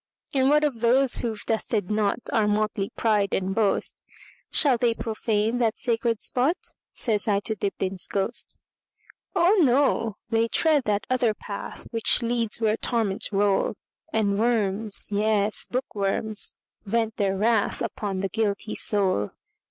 And what of those who 've dusted notOur motley pride and boast,—Shall they profane that sacred spot?"Says I to Dibdin's ghost."Oh, no! they tread that other path, Which leads where torments roll, And worms, yes, bookworms, vent their wrathUpon the guilty soul.